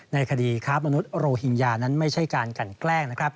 ในคดีค้ามนุษย์โรฮิงญานั้นไม่ใช่การกันแกล้ง